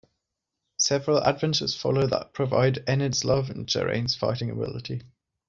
Several adventures follow that prove Enid's love and Geraint's fighting ability.